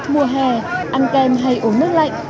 mùa hè ăn kem hay uống nước lạnh